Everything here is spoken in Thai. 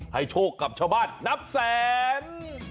โชคกับชาวบ้านนับแสน